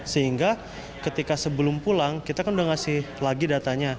sehingga ketika sebelum pulang kita kan sudah ngasih lagi datanya